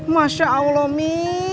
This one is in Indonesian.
masya allah mi